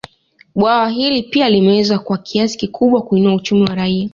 Bwawa hili pia limeweza kwa kiasi kikubwa kuinua uchumi wa raia